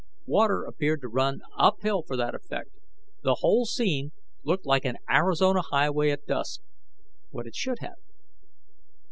Water appeared to run uphill for that effect. The whole scene looked like an Arizona highway at dusk what it should have.